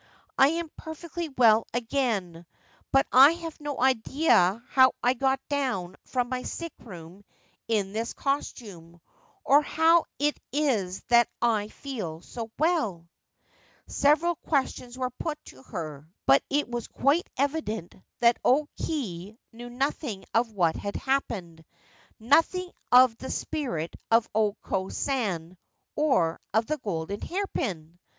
I am perfectly well again ; but I have no idea how I got down from my sick room in this costume, or how it is that I feel so well/ Several questions were put to her ; but it was quite evident that O Kei knew nothing of what had happened — nothing of the spirit of O Ko San, or of the golden hairpin